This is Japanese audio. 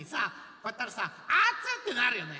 こうやったらさ「あつ！」ってなるよね。